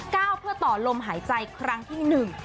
ก้าวเพื่อต่อลมหายใจครั้งที่หนึ่ง